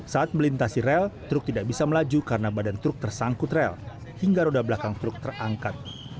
saat melintasi rel truk tidak bisa melaju karena badan truk tersangkut rel hingga roda belakang truk terangkat